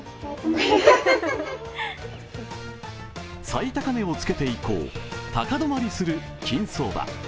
最高値をつけて以降、高止まりする金相場。